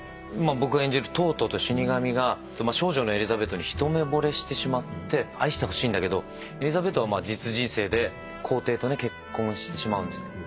僕が演じるトートという死に神が少女のエリザベートに一目ぼれしてしまって愛してほしいんだけどエリザベートは実人生で皇帝と結婚してしまうんですけど。